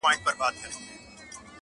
جهاني زما په قسمت نه وو دا ساعت لیکلی!.